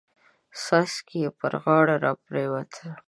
څاڅکي يې پر غاړه را پريوتل.